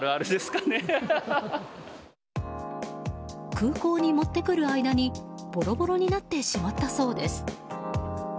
空港に持ってくる間にボロボロになってしまったそうです。